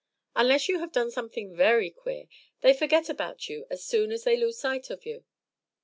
Unless you have done something very queer, they forget about you as soon as they lose sight of you.